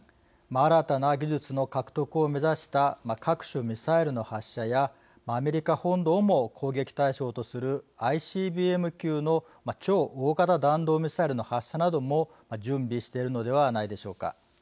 新たな技術の獲得を目指した各種ミサイルの発射やアメリカ本土をも攻撃対象とするＩＣＢＭ級の超大型弾道ミサイルの発射なども準備しているのではないでしょうか。